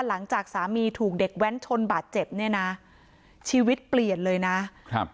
หลังจากสามีถูกเด็กแว้นชนบาดเจ็บเนี่ยนะชีวิตเปลี่ยนเลยนะครับ